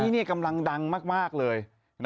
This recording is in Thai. นี่กำลังดังมากเลย